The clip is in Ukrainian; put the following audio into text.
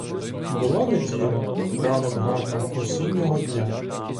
Була неділя, ранок гарного осіннього дня.